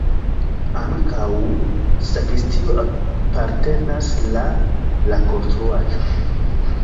Ankaŭ sakristio apartenas la la konstruaĵo.